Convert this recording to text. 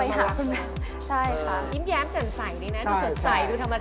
ใช่ค่ะยิ้มแย้มเจ็ดใสดีนะดูสดใสดูธรรมชาติ